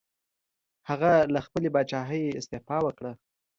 هغه له خپلې پاچاهۍ استعفا وکړه.